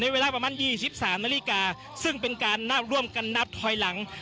เวลาประมาณ๒๓นาฬิกาซึ่งเป็นการร่วมกันนับถอยหลัง